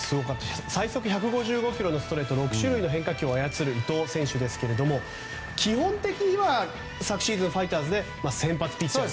最速１５５キロのストレートを操る伊藤選手ですが、基本的には昨シーズン、ファイターズで先発ピッチャー。